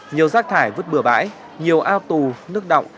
nhiều rác thải vứt bừa bãi nhiều ao tù nước động